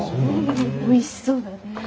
おいしそうだね。